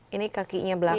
ini kakinya belakang